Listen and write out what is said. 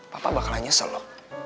papa bakal nyesel lho